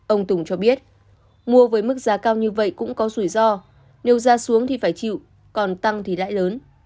ông tùng cho biết mua với mức giá cao như vậy cũng có rủi ro nếu ra xuống thì phải chịu còn tăng thì lãi lớn